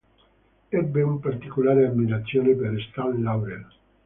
Ebbe una particolare ammirazione per Stan Laurel.